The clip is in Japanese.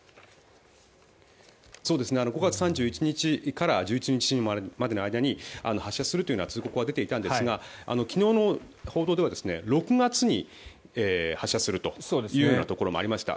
５月３１日から１１日までの間に発射するというのは通告が出ていたんですが昨日の報道では６月に発射するというところもありました。